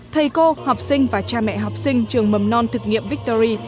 thầy cô học sinh và cha mẹ học sinh trường mầm non thực nghiệm victory